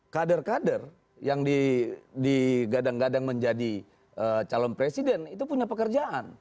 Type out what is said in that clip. kader kader yang digadang gadang menjadi calon presiden itu punya pekerjaan